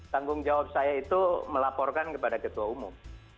tanggung jawab saya itu melaporkan kepada ketua umum